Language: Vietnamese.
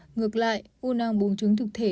ngược lại u nang buông trứng thực thể